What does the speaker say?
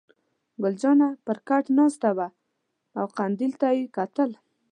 ګل جانه پر کټ ناسته وه او قندیل ته یې کتل.